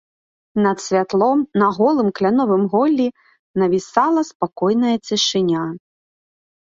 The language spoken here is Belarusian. Над святлом, на голым кляновым голлі, навісала спакойная цішыня.